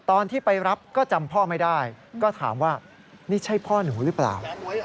ตอนที่ไปรับก็จำพ่อไม่ได้ก็ถามว่านี่ใช่พ่อหนูหรือเปล่า